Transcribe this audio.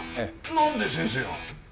なんで先生が？